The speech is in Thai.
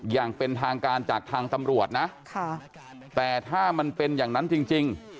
อย่างเป็นทางการจากทางตำรวจนะแต่ถ้ามันเป็นอย่างนั้นจริง